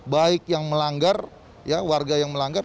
baik yang melanggar ya warga yang melanggar